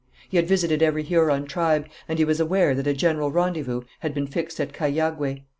He had visited every Huron tribe, and he was aware that a general rendezvous had been fixed at Cahiagué.